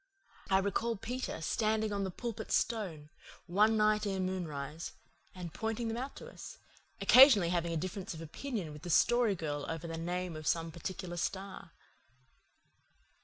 I recall Peter standing on the Pulpit Stone, one night ere moonrise, and pointing them out to us, occasionally having a difference of opinion with the Story Girl over the name of some particular star.